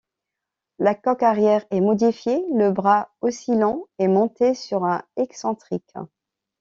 La coque arrière est modifiée, le bras oscillant est monté sur un excentrique.